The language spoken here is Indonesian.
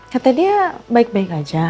kata dia baik baik aja